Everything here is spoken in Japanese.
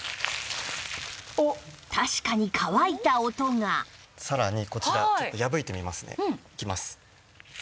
確かにさらにこちらちょっと破いてみますね。いきます。